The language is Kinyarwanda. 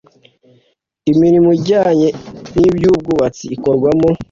imirimo ijyanye n iby ubwubatsi ikorwamo